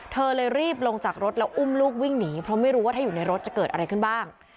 เธอเลยรีบลงจากรถแล้วอุ้มลูกวิ่งหนีเพราะไม่รู้ว่าถ้าอยู่ในรถจะเกิดอะไรขึ้นบ้าง